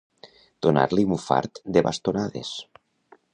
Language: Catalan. Donar-li un fart de bastonades.